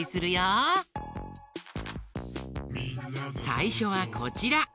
さいしょはこちら。